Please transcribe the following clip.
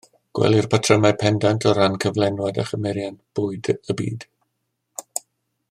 Gwelir patrymau pendant o ran cyflenwad a chymeriant bwyd y byd